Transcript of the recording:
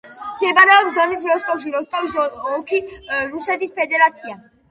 მდებარეობს დონის როსტოვში, როსტოვის ოლქი, რუსეთის ფედერაცია.